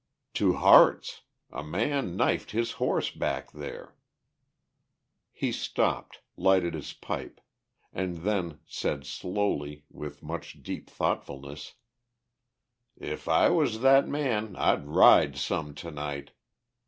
"To Harte's. A man knifed his horse back there." He stopped, lighted his pipe, and then said slowly, with much deep thoughtfulness, "If I was that man I'd ride some tonight!